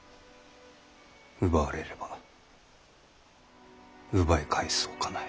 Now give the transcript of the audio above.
奪われれば奪い返すほかない。